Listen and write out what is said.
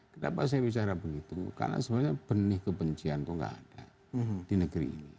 kenapa saya bicara begitu karena sebenarnya benih kebencian itu tidak ada di negeri ini